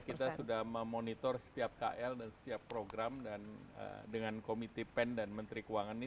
kita sudah memonitor setiap kl dan setiap program dan dengan komite pen dan menteri keuangan ini